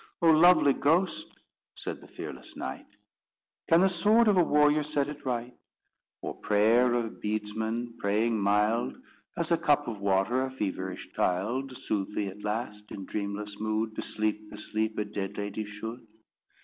Oh, lovely ghost," said the fearless knight, "Can the sword of a warrior set it right? Or prayer of bedesman, praying mild, As a cup of water a feverish child, Sooth thee at last, in dreamless mood To sleep the sleep a dead lady should?